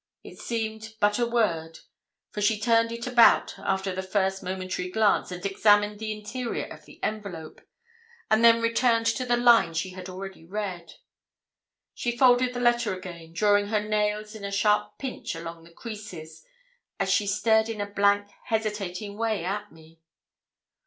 It seemed but a word, for she turned it about after the first momentary glance, and examined the interior of the envelope, and then returned to the line she had already read. She folded the letter again, drawing her nails in a sharp pinch along the creases, as she stared in a blank, hesitating way at me.